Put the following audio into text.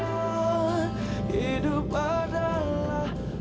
kau harus mencari dia